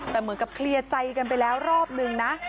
แต่เหมือนกับเคลียร์ใจกันไปแล้วรอบนึงนะ